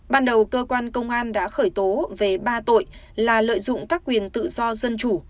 ban đầu cơ quan công an đã khởi tố về ba tội là lợi dụng các quyền tự do dân chủ